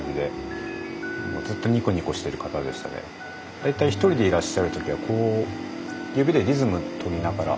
大体１人でいらっしゃる時は指でリズムとりながら。